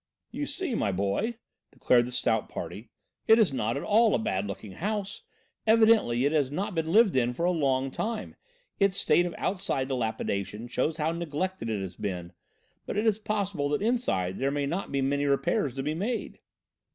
"You see, my boy," declared the stout party, "it is not at all a bad looking house. Evidently it has not been lived in for a long time, its state of outside dilapidation shows how neglected it has been, but it is possible that inside there may not be many repairs to be made."